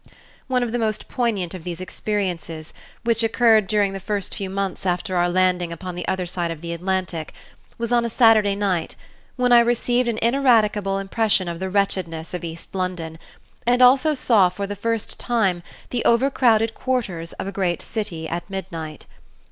One of the most poignant of these experiences, which occurred during the first few months after our landing upon the other side of the Atlantic, was on a Saturday night, when I received an ineradicable impression of the wretchedness of East London, and also saw for the first time the overcrowded quarters of a great city at midnight.